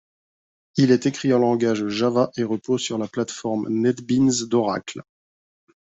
Il est écrit en langage Java et repose sur la plate-forme NetBeans d'Oracle.